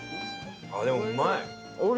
でもうまい！